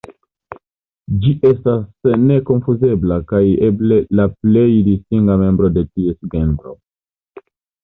Ĝi estas nekonfuzebla kaj eble la plej distinga membro de ties genro.